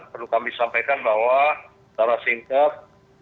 perlu kami sampaikan bahwa secara singkat